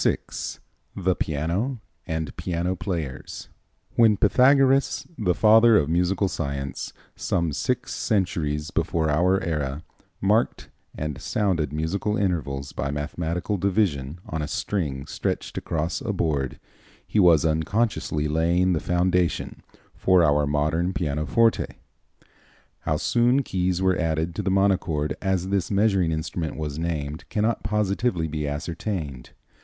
VI The Piano and Piano Players When Pythagoras, Father of Musical Science, some six centuries before our era, marked and sounded musical intervals by mathematical division on a string stretched across a board, he was unconsciously laying the foundation for our modern pianoforte. How soon keys were added to the monochord, as this measuring instrument was named, cannot positively be ascertained.